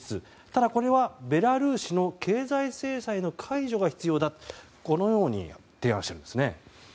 ただ、これはベラルーシの経済制裁の解除が必要だとこのように提案しているんですね。